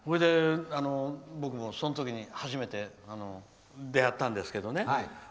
僕もその時初めて出会ったんですけどね。